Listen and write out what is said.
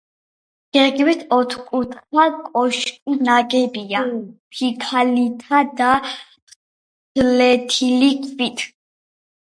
გეგმით ოთხკუთხა კოშკი ნაგებია ფიქალითა და ფლეთილი ქვით.